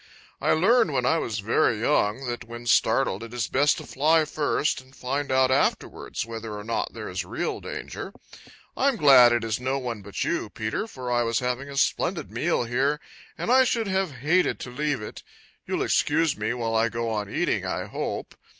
I learned when I was very young that when startled it is best to fly first and find out afterwards whether or not there is real danger. I am glad it is no one but you, Peter, for I was having a splendid meal here, and I should have hated to leave it. You'll excuse me while I go on eating, I hope.